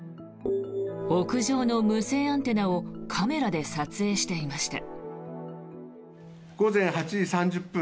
屋上の無線アンテナをカメラで撮影していました。